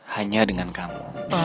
hanya dengan kamu